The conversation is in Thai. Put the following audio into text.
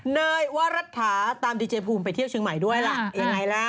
เนยวรัฐาตามดีเจภูมิไปเที่ยวเชียงใหม่ด้วยล่ะยังไงล่ะ